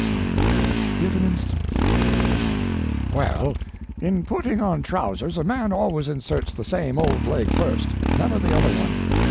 Y.M. Give an instance. O.M. Well, in putting on trousers a man always inserts the same old leg first—never the other one.